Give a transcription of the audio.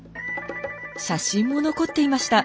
写真も残っていました。